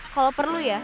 kalau perlu ya